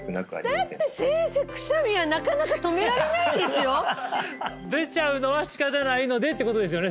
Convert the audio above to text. だって先生くしゃみはなかなか止められないですよ出ちゃうのはしかたないのでってことですよね